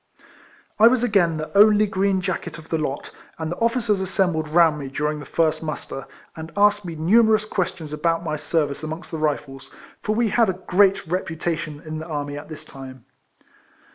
I was again the only green jacket of the lot, and the officers assembled round me during the first muster, and asked me numerous questions about my service amongst the Rifles, for we had a great reputation in the army at this time.